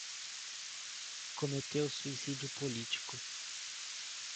Cometeu suicídio político